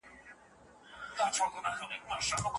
که پل وي نو سیند نه بندیږي.